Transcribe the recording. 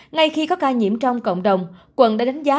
ngay khi có ca nhiễm trong cộng đồng quận đã đánh giá